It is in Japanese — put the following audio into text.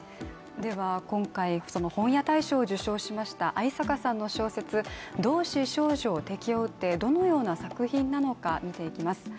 今回その本屋大賞を受賞しました逢坂さんの小説、「同志少女よ、敵を撃て」どのような作品なのか見ていきます。